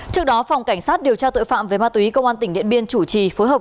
trước đó phòng cảnh sát điều tra tội phạm về ma túy công an tỉnh điện biên chủ trì phối hợp